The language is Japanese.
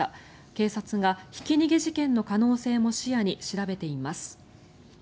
警察がひき逃げ事件の可能性も視野に調べています。